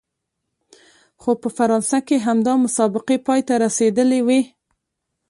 خو په فرانسه کې همدا مسابقې پای ته رسېدلې وې.